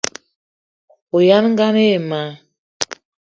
O ayag' nengan ayi ma